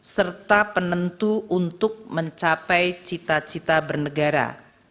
serta penentu untuk mencapai cita cita bernegara